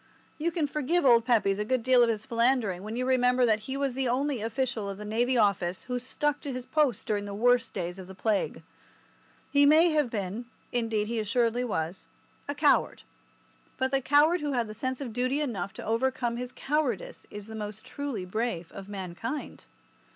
You can forgive old Pepys a good deal of his philandering when you remember that he was the only official of the Navy Office who stuck to his post during the worst days of the Plague. He may have been—indeed, he assuredly was—a coward, but the coward who has sense of duty enough to overcome his cowardice is the most truly brave of mankind.